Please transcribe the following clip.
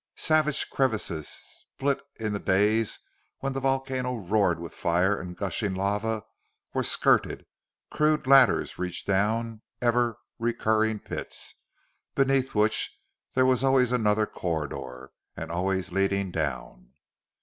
Savage crevices, split in the days when the volcano roared with fire and gushing lava, were skirted; crude ladders reached down ever recurring pits, beneath which there was always another corridor, and always leading down.